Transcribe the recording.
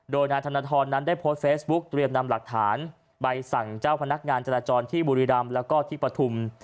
โดยนาธนทรนั้นได้โพสต์เฟซบุ๊คเตรียมนำหลักฐานไปสั่งเจ้าพนักงานจรรย์จรที่บุรีรัมน์และปฐุม